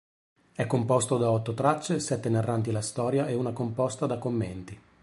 È composto da otto tracce, sette narranti la storia e una composta da commenti.